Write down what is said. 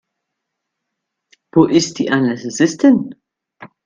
Wo ist die Anästhesistin?